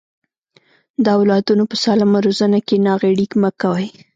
د اولادونو په سالمه روزنه کې ناغيړي مکوئ.